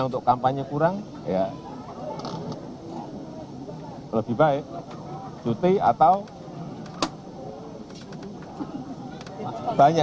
kalau kampanye kurang lebih baik cuti atau banyak